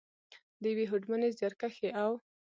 ، د یوې هوډمنې، زیارکښې او .